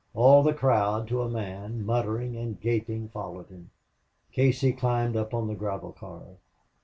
All the crowd, to a man, muttering and gaping, followed him. Casey climbed up on the gravel car.